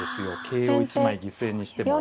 桂を１枚犠牲にしても。